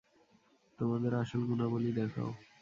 তোমাদের আসল গুণাবলী দেখাও।